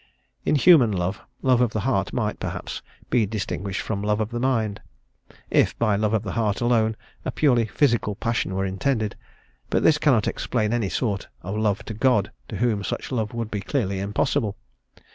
In human love, love of the heart might, perhaps, be distinguished from love of the mind, if by love of the heart alone a purely physical passion were intended; but this cannot explain any sort of love to God, to whom such love would be clearly impossible.